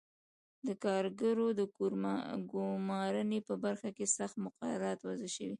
د کارګرو د ګومارنې په برخه کې سخت مقررات وضع شوي.